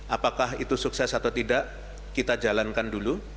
apakah itu sukses atau tidak kita jalankan dulu